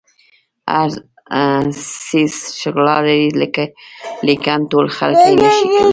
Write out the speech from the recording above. هر څیز ښکلا لري لیکن ټول خلک یې نه شي لیدلی.